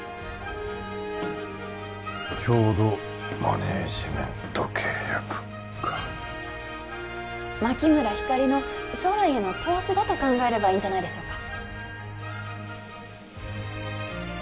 共同マネージメント契約か牧村ひかりの将来への投資だと考えればいいんじゃないでしょうか